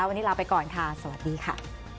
วันนี้ลาไปก่อนค่ะสวัสดีค่ะ